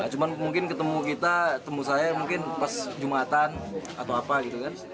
cuma mungkin ketemu kita ketemu saya mungkin pas jumatan atau apa gitu kan